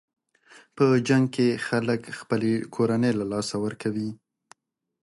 په جنګ کې خلک خپلې کورنۍ له لاسه ورکوي.